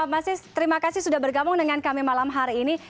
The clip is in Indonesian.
mas is terima kasih sudah bergabung dengan kami malam hari ini